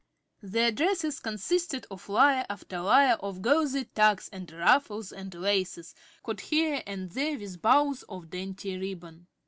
Their dresses consisted of layer after layer of gauzy tucks and ruffles and laces, caught here and there with bows of dainty ribbon.